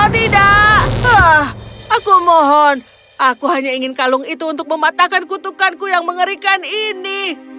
tidak aku mohon aku hanya ingin kalung itu untuk mematahkan kutukanku yang mengerikan ini